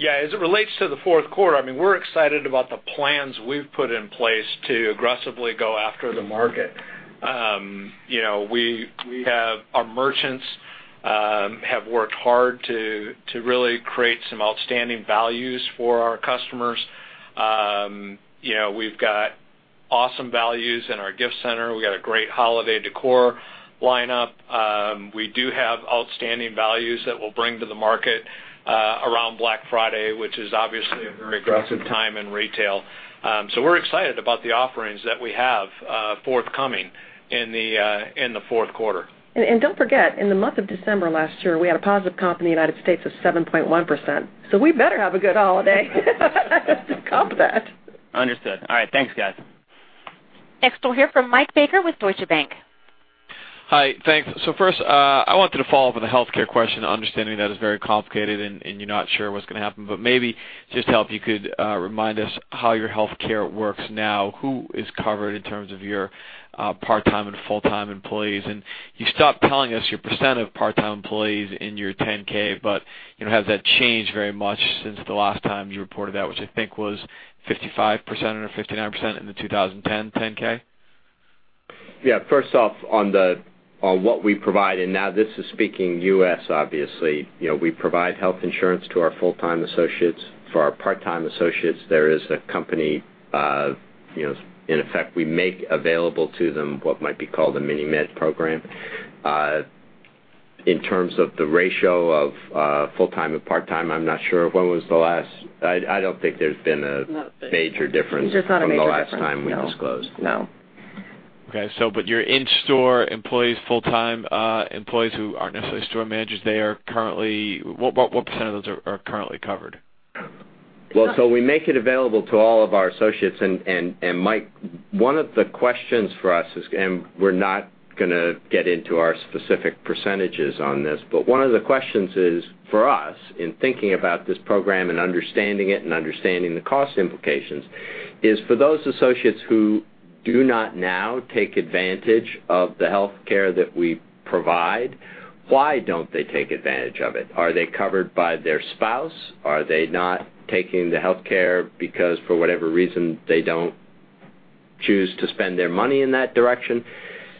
As it relates to the fourth quarter, we're excited about the plans we've put in place to aggressively go after the market. Our merchants have worked hard to really create some outstanding values for our customers. We've got awesome values in our gift center. We got a great holiday decor lineup. We do have outstanding values that we'll bring to the market around Black Friday, which is obviously a very aggressive time in retail. We're excited about the offerings that we have forthcoming in the fourth quarter. Don't forget, in the month of December last year, we had a positive comp in the U.S. of 7.1%, so we better have a good holiday to comp that. Understood. All right. Thanks, guys. Next, we'll hear from Mike Baker with Deutsche Bank. Hi. Thanks. First, I wanted to follow up on the healthcare question, understanding that is very complicated and you're not sure what's going to happen. Maybe just to help, you could remind us how your healthcare works now, who is covered in terms of your part-time and full-time employees. You stopped telling us your % of part-time employees in your 10-K, but has that changed very much since the last time you reported that, which I think was 55% or 59% in the 2010 10-K? Yeah. First off, on what we provide. Now this is speaking U.S. obviously. We provide health insurance to our full-time associates. For our part-time associates, there is a company, in effect, we make available to them what might be called a Mini Med program. In terms of the ratio of full-time and part-time, I'm not sure. I don't think there's been a major difference- There's just not a major difference from the last time we disclosed. No. Okay. Your in-store employees, full-time employees who aren't necessarily store managers, what % of those are currently covered? We make it available to all of our associates. Mike, one of the questions for us is, we're not going to get into our specific percentages on this. One of the questions is for us, in thinking about this program and understanding it and understanding the cost implications, is for those associates who do not now take advantage of the healthcare that we provide, why don't they take advantage of it? Are they covered by their spouse? Are they not taking the healthcare because, for whatever reason, they don't choose to spend their money in that direction?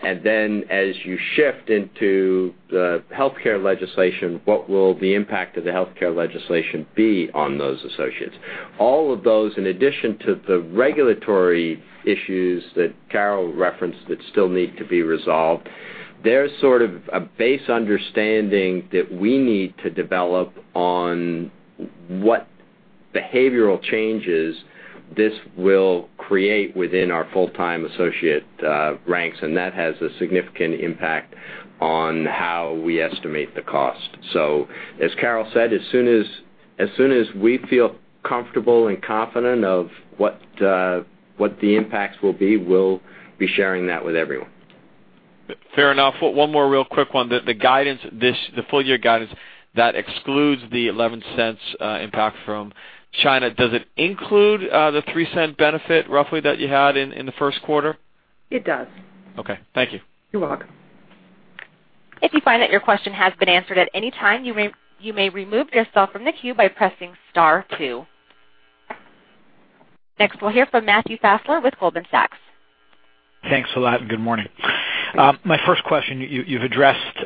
As you shift into the healthcare legislation, what will the impact of the healthcare legislation be on those associates? All of those, in addition to the regulatory issues that Carol referenced that still need to be resolved, they're sort of a base understanding that we need to develop on what behavioral changes this will create within our full-time associate ranks, that has a significant impact on how we estimate the cost. As Carol said, as soon as we feel comfortable and confident of what the impacts will be, we'll be sharing that with everyone. Fair enough. One more real quick one. The full-year guidance, that excludes the $0.11 impact from China. Does it include the $0.03 benefit roughly that you had in the first quarter? It does. Okay. Thank you. You're welcome. If you find that your question has been answered at any time, you may remove yourself from the queue by pressing star 2. Next, we'll hear from Matthew Fassler with Goldman Sachs. Thanks a lot. Good morning. Good morning. My first question, you've addressed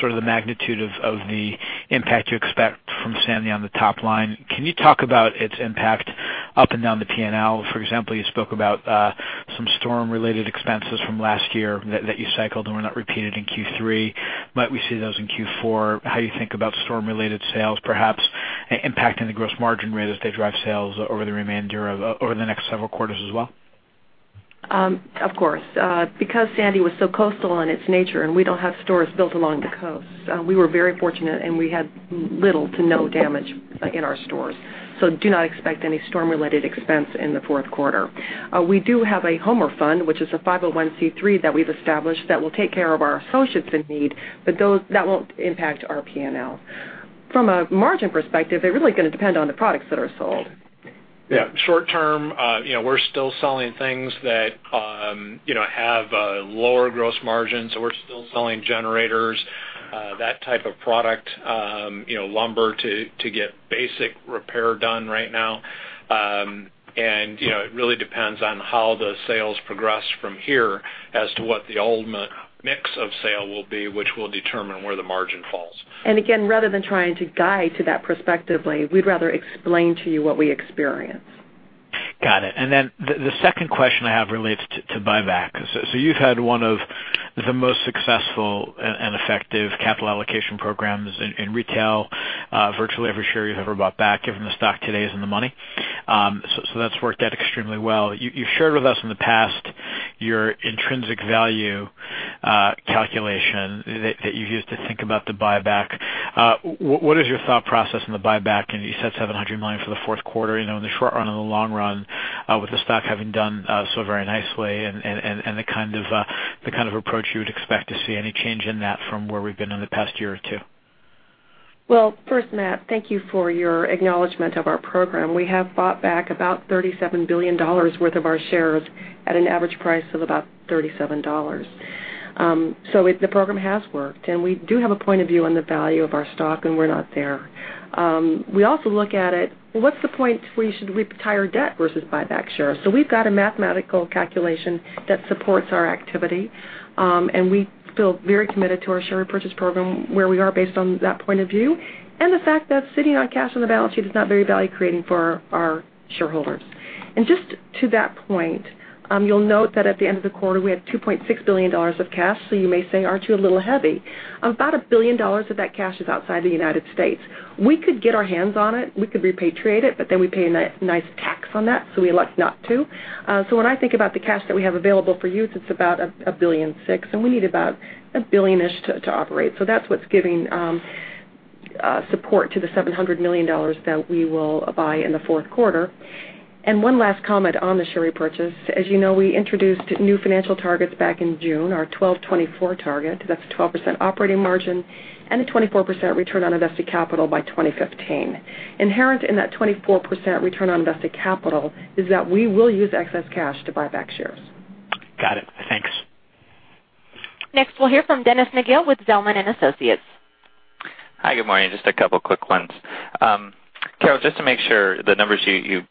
sort of the magnitude of the impact you expect from Sandy on the top line. Can you talk about its impact up and down the P&L? For example, you spoke about some storm-related expenses from last year that you cycled and were not repeated in Q3. Might we see those in Q4? How you think about storm-related sales perhaps impacting the gross margin rate as they drive sales over the next several quarters as well? Of course. Because Sandy was so coastal in its nature and we don't have stores built along the coast, we were very fortunate, and we had little to no damage in our stores. Do not expect any storm-related expense in the fourth quarter. We do have a Homer Fund, which is a 501(c)(3) that we've established that will take care of our associates in need, that won't impact our P&L. From a margin perspective, they're really going to depend on the products that are sold. Yeah. Short term, we're still selling things that have lower gross margins. We're still selling generators, that type of product, lumber to get basic repair done right now. It really depends on how the sales progress from here as to what the ultimate mix of sale will be, which will determine where the margin falls. Rather than trying to guide to that prospectively, we'd rather explain to you what we experience. Got it. The second question I have relates to buyback. You've had one of the most successful and effective capital allocation programs in retail. Virtually every share you've ever bought back, given the stock today is in the money. That's worked out extremely well. You shared with us in the past your intrinsic value calculation that you use to think about the buyback. What is your thought process on the buyback? You said $700 million for the fourth quarter, in the short run or the long run, with the stock having done so very nicely and the kind of approach you would expect to see any change in that from where we've been in the past year or two? Well, first, Matt, thank you for your acknowledgement of our program. We have bought back about $37 billion worth of our shares at an average price of about $37. The program has worked, we do have a point of view on the value of our stock, we're not there. We also look at it, well, what's the point where you should retire debt versus buy back shares? We've got a mathematical calculation that supports our activity, we feel very committed to our share repurchase program where we are based on that point of view, the fact that sitting on cash on the balance sheet is not very value-creating for our shareholders. Just to that point, you'll note that at the end of the quarter, we had $2.6 billion of cash. You may say, aren't you a little heavy? About a billion dollars of that cash is outside the U.S. We could get our hands on it. We could repatriate it, but then we pay a nice tax on that, we elect not to. When I think about the cash that we have available for use, it's about a billion six, we need about a billion-ish to operate. That's what's giving support to the $700 million that we will buy in the fourth quarter. One last comment on the share repurchase. As you know, we introduced new financial targets back in June, our 12/24 target. That's a 12% operating margin and a 24% return on invested capital by 2015. Inherent in that 24% return on invested capital is that we will use excess cash to buy back shares. Got it. Thanks. Next, we'll hear from Dennis McGill with Zelman & Associates. Hi, good morning. Just a couple of quick ones. Carol, just to make sure, the numbers you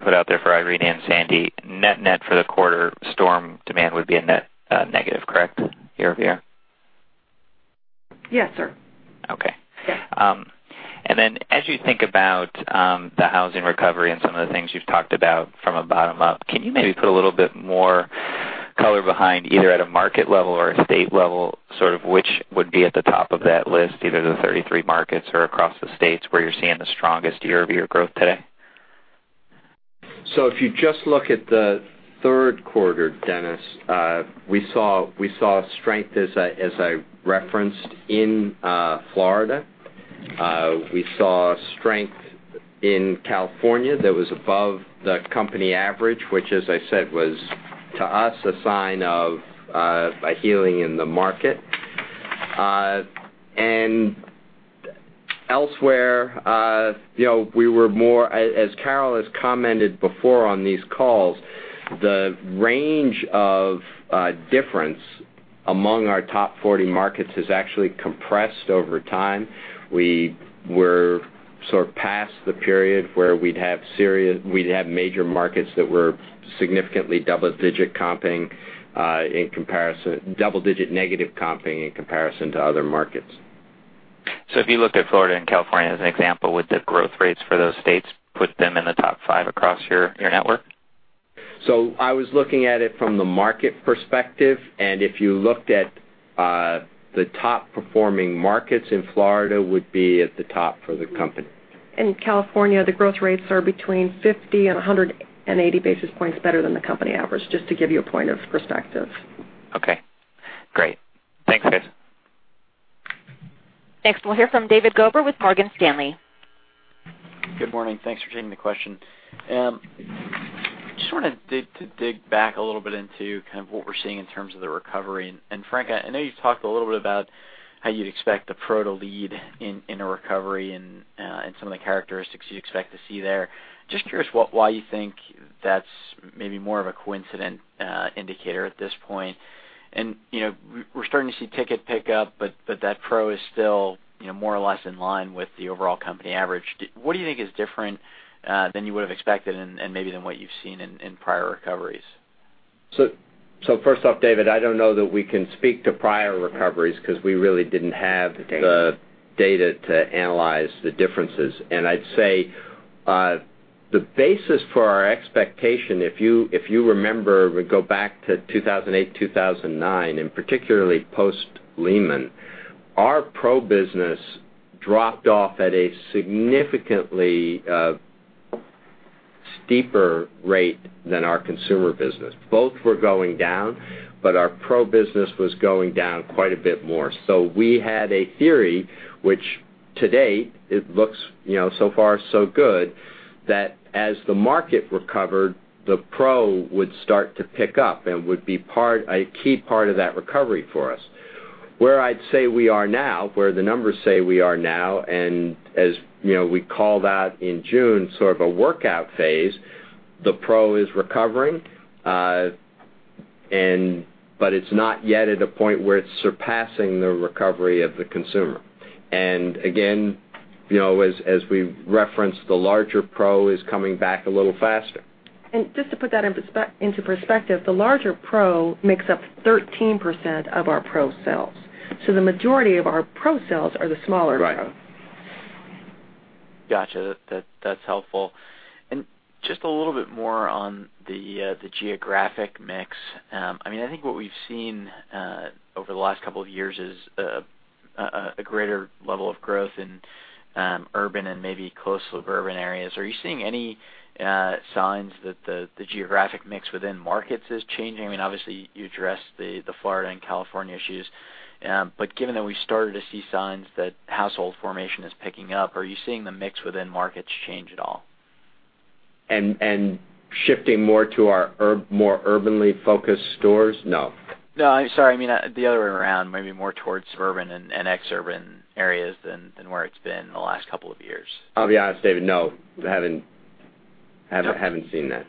put out there for Irene and Sandy, net for the quarter storm demand would be a net negative, correct, year-over-year? Yes, sir. Okay. Yeah. As you think about the housing recovery and some of the things you've talked about from a bottom up, can you maybe put a little bit more color behind either at a market level or a state level, sort of which would be at the top of that list, either the 33 markets or across the states where you're seeing the strongest year-over-year growth today? If you just look at the third quarter, Dennis, we saw strength as I referenced in Florida. We saw strength in California that was above the company average, which as I said, was, to us, a sign of a healing in the market. Elsewhere, as Carol has commented before on these calls, the range of difference among our top 40 markets has actually compressed over time. We were sort of past the period where we'd have major markets that were significantly double-digit negative comping in comparison to other markets. If you looked at Florida and California as an example, would the growth rates for those states put them in the top 5 across your network? I was looking at it from the market perspective, if you looked at the top-performing markets in Florida would be at the top for the company. In California, the growth rates are between 50 and 180 basis points better than the company average, just to give you a point of perspective. Okay, great. Thanks, guys. Next, we'll hear from David Gober with Morgan Stanley. Good morning. Thanks for taking the question. Just wanted to dig back a little bit into kind of what we're seeing in terms of the recovery. Frank, I know you've talked a little bit about how you'd expect the pro to lead in a recovery and some of the characteristics you'd expect to see there. Just curious why you think that's maybe more of a coincident indicator at this point. We're starting to see ticket pick up, but that pro is still more or less in line with the overall company average. What do you think is different than you would've expected and maybe than what you've seen in prior recoveries? First off, David, I don't know that we can speak to prior recoveries because we really didn't have the data to analyze the differences. I'd say, the basis for our expectation, if you remember, we go back to 2008, 2009, and particularly post Lehman, our pro business dropped off at a significantly steeper rate than our consumer business. Both were going down, but our pro business was going down quite a bit more. We had a theory, which to date, it looks so far so good, that as the market recovered, the pro would start to pick up and would be a key part of that recovery for us. Where I'd say we are now, where the numbers say we are now, and as we call that in June, sort of a workout phase, the pro is recovering. It's not yet at a point where it's surpassing the recovery of the consumer. Again, as we referenced, the larger pro is coming back a little faster. Just to put that into perspective, the larger pro makes up 13% of our pro sales. The majority of our pro sales are the smaller pro. Got you. That's helpful. Just a little bit more on the geographic mix. I think what we've seen over the last couple of years is a greater level of growth in urban and maybe close suburban areas. Are you seeing any signs that the geographic mix within markets is changing? Obviously, you addressed the Florida and California issues. Given that we started to see signs that household formation is picking up, are you seeing the mix within markets change at all? shifting more to our more urbanly focused stores? No. No, sorry. I mean, the other way around, maybe more towards suburban and ex-urban areas than where it's been the last couple of years. I'll be honest, David, no. Haven't seen that.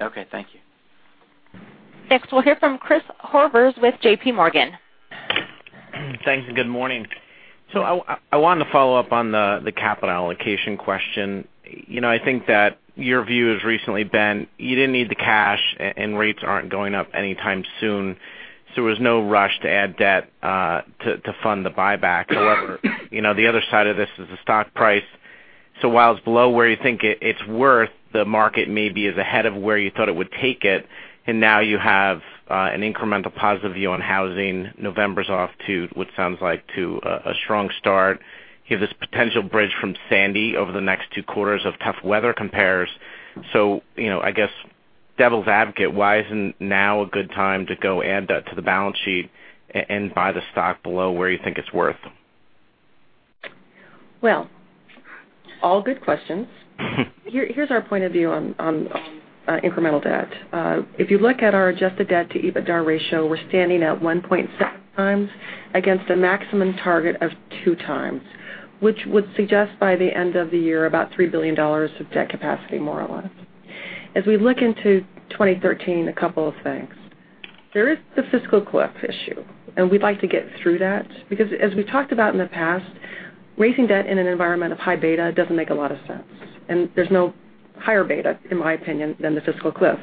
Okay, thank you. Next, we'll hear from Chris Horvers with JPMorgan. Thanks, and good morning. I wanted to follow up on the capital allocation question. I think that your view has recently been, you didn't need the cash, and rates aren't going up anytime soon, so there was no rush to add debt to fund the buyback. However, the other side of this is the stock price. While it's below where you think it's worth, the market maybe is ahead of where you thought it would take it, and now you have an incremental positive view on housing. November's off to, what sounds like, to a strong start. You have this potential bridge from Sandy over the next two quarters of tough weather compares. I guess devil's advocate, why isn't now a good time to go add debt to the balance sheet and buy the stock below where you think it's worth? Well, all good questions. Here's our point of view on incremental debt. If you look at our adjusted debt to EBITDA ratio, we're standing at 1.7 times against a maximum target of two times, which would suggest by the end of the year, about $3 billion of debt capacity, more or less. As we look into 2013, a couple of things. There is the fiscal cliff issue, we'd like to get through that because, as we talked about in the past, raising debt in an environment of high beta doesn't make a lot of sense. There's no higher beta, in my opinion, than the fiscal cliff.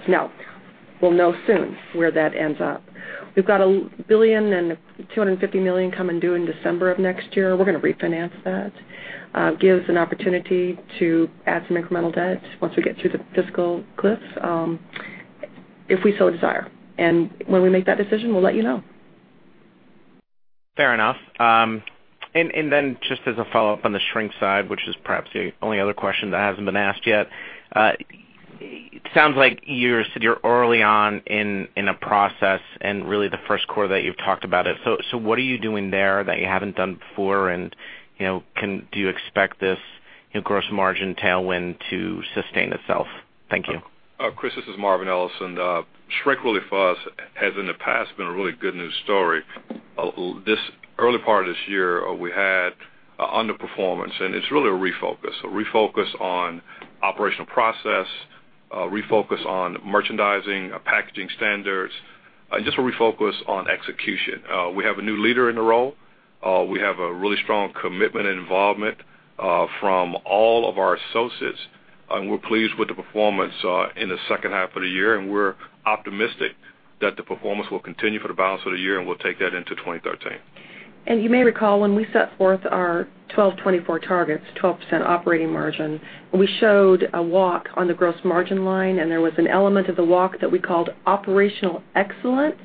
We'll know soon where that ends up. We've got $1.250 billion coming due in December of next year. We're going to refinance that. That gives an opportunity to add some incremental debt once we get through the fiscal cliff, if we so desire. When we make that decision, we'll let you know. Fair enough. Just as a follow-up on the shrink side, which is perhaps the only other question that hasn't been asked yet. It sounds like you said you're early on in a process and really the first quarter that you've talked about it. What are you doing there that you haven't done before? Do you expect this gross margin tailwind to sustain itself? Thank you. Chris, this is Marvin Ellison. Shrink, really for us, has in the past been a really good news story. Early part of this year, we had underperformance, it's really a refocus. A refocus on operational process, a refocus on merchandising, packaging standards, and just a refocus on execution. We have a new leader in the role. We have a really strong commitment and involvement from all of our associates, we're pleased with the performance in the second half of the year, we're optimistic that the performance will continue for the balance of the year, we'll take that into 2013. You may recall when we set forth our 12/24 targets, 12% operating margin, we showed a walk on the gross margin line, there was an element of the walk that we called operational excellence.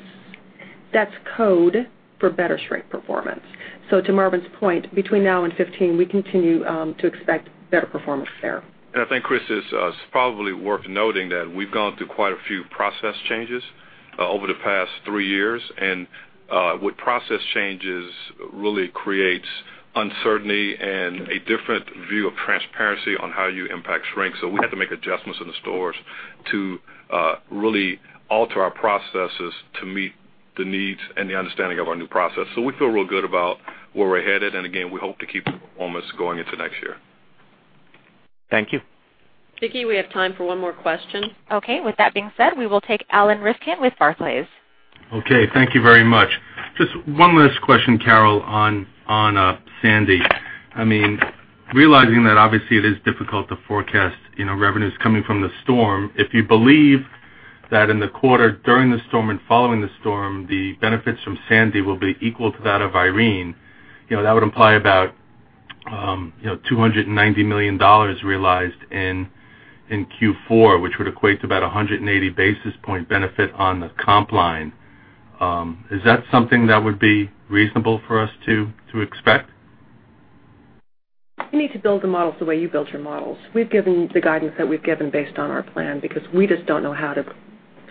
That's code for better shrink performance. To Marvin's point, between now and 2015, we continue to expect better performance there. I think, Chris, it's probably worth noting that we've gone through quite a few process changes over the past three years. With process changes really creates uncertainty and a different view of transparency on how you impact shrink. We had to make adjustments in the stores to really alter our processes to meet the needs and the understanding of our new process. We feel real good about where we're headed. Again, we hope to keep the performance going into next year. Thank you. Vicki, we have time for one more question. Okay. With that being said, we will take Alan Rifkin with Barclays. Okay. Thank you very much. Just one last question, Carol, on Sandy. Realizing that obviously it is difficult to forecast revenues coming from the storm. If you believe that in the quarter, during the storm and following the storm, the benefits from Sandy will be equal to that of Irene, that would imply about $290 million realized in Q4, which would equate to about 180 basis point benefit on the comp line. Is that something that would be reasonable for us to expect? You need to build the models the way you built your models. We've given the guidance that we've given based on our plan because we just don't know how to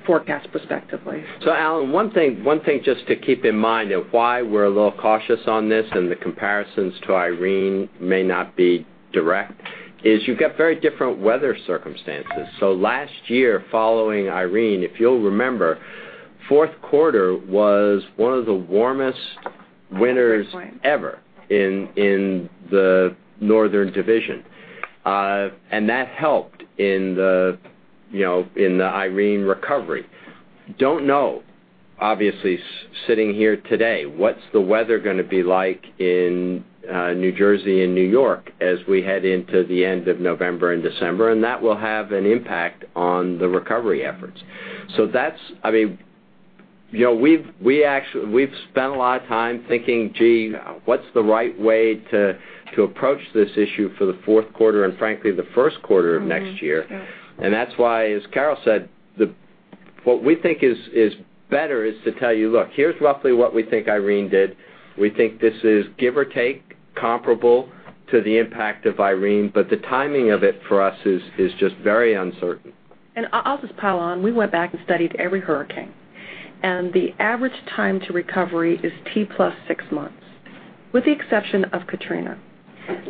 forecast prospectively. Alan, one thing just to keep in mind of why we're a little cautious on this and the comparisons to Hurricane Irene may not be direct, is you've got very different weather circumstances. Last year following Hurricane Irene, if you'll remember, fourth quarter was one of the warmest winters ever in the northern division. That helped in the Hurricane Irene recovery. Don't know, obviously, sitting here today, what's the weather going to be like in New Jersey and New York as we head into the end of November and December, that will have an impact on the recovery efforts. We've spent a lot of time thinking, gee, what's the right way to approach this issue for the fourth quarter and frankly, the first quarter of next year. Yes. That's why, as Carol Tomé said, what we think is better is to tell you, look, here's roughly what we think Hurricane Irene did. We think this is give or take comparable to the impact of Hurricane Irene, the timing of it for us is just very uncertain. I'll just pile on. We went back and studied every hurricane, the average time to recovery is T plus six months. With the exception of Hurricane Katrina.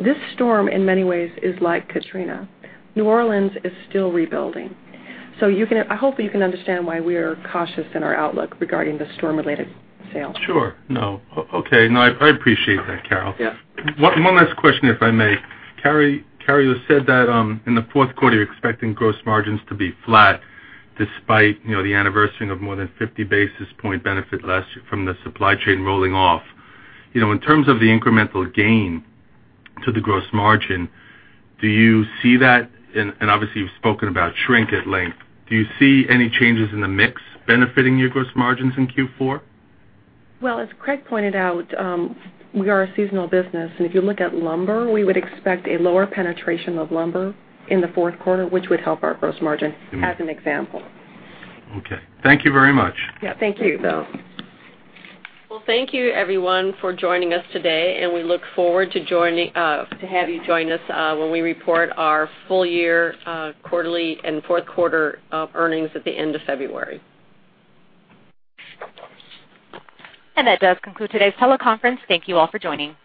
This storm, in many ways, is like Hurricane Katrina. New Orleans is still rebuilding. I hope you can understand why we're cautious in our outlook regarding the storm-related sales. Sure. No. Okay. No, I appreciate that, Carol. Yeah. One last question, if I may. Carol, you said that in the fourth quarter, you're expecting gross margins to be flat despite the anniversary of more than 50 basis point benefit last year from the supply chain rolling off. In terms of the incremental gain to the gross margin, do you see that, and obviously, you've spoken about shrink at length, do you see any changes in the mix benefiting your gross margins in Q4? Well, as Craig pointed out, we are a seasonal business. If you look at lumber, we would expect a lower penetration of lumber in the fourth quarter, which would help our gross margin, as an example. Okay. Thank you very much. Yeah. Thank you, Alan. Well, thank you everyone for joining us today. We look forward to have you join us when we report our full year quarterly and fourth quarter earnings at the end of February. That does conclude today's teleconference. Thank you all for joining.